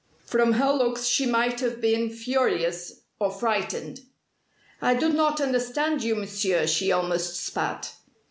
From her looks she might have been furious or frightened. "I do not understand you, Monsieur," she almost spat.